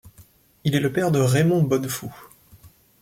Il est le père de Raymond Bonnefous.